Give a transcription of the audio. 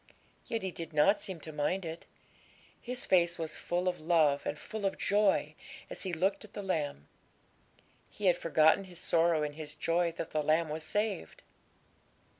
Yet he did not seem to mind it; his face was full of love and full of joy as he looked at the lamb. He had forgotten his sorrow in his joy that the lamb was saved.